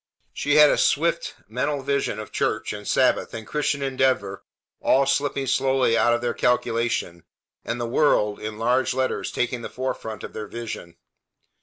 She had a swift mental vision of church and Sabbath and Christian Endeavor all slipping slowly out of their calculation, and the WORLD in large letters taking the forefront of their vision.